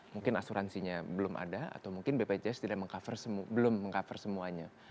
mungkin asuransinya belum ada atau mungkin bpjs tidak belum meng cover semuanya